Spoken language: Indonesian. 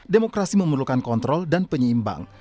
demokrasi memerlukan kontrol dan penyeimbang